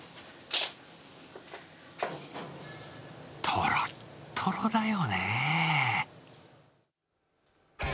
とろっとろだよね。